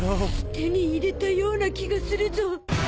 手に入れたような気がするゾ。